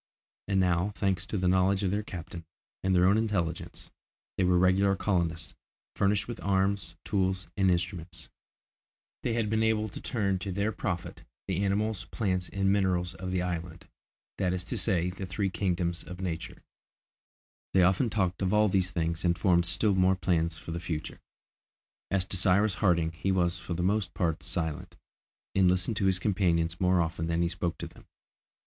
And now, thanks to the knowledge of their captain, and their own intelligence, they were regular colonists, furnished with arms, tools, and instruments; they had been able to turn to their profit the animals, plants, and minerals of the island, that is to say, the three kingdoms of Nature. Yes; they often talked of all these things and formed still more plans for the future. As to Cyrus Harding he was for the most part silent, and listened to his companions more often than he spoke to them.